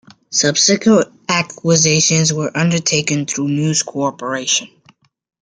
Subsequent acquisitions were undertaken through News Corporation.